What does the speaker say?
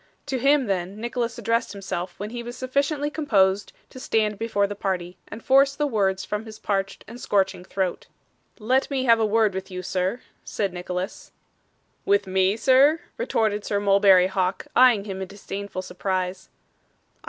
To him then Nicholas addressed himself when he was sufficiently composed to stand before the party, and force the words from his parched and scorching throat. 'Let me have a word with you, sir,' said Nicholas. 'With me, sir?' retorted Sir Mulberry Hawk, eyeing him in disdainful surprise.